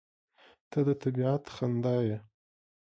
• ته د طبیعت خندا یې.